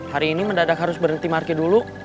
hari ini mendadak harus berhenti marki dulu